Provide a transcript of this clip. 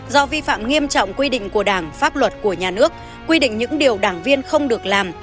do vi phạm nghiêm trọng quy định của đảng pháp luật của nhà nước quy định những điều đảng viên không được làm